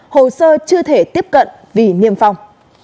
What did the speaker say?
hồ sơ chưa thể tiếp cận vì niêm phong